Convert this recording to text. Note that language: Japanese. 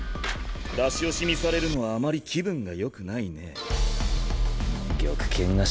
出し惜しみされるのはあまり気分がよくないね。